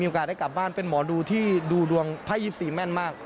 มีโอกาสได้กลับบ้านเป็นหมอดูที่ดูดวงพระยิบสี่แม่นมาก